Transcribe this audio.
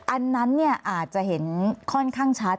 อันนั้นอาจจะเห็นค่อนข้างชัด